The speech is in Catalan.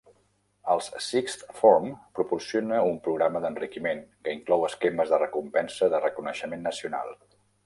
El Sixth Form proporciona un programa d'enriquiment, que inclou esquemes de recompensa de reconeixement nacional.